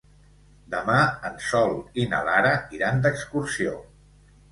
Demà en Sol i na Lara iran d'excursió.